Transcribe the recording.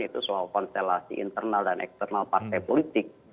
itu soal konstelasi internal dan eksternal partai politik